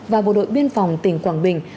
và bộ đội biên phòng tỉnh quảng bình